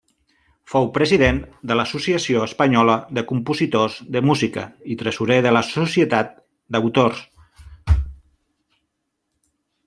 Fou president de l'Associació Espanyola de Compositors de Música i tresorer de la Societat d'Autors.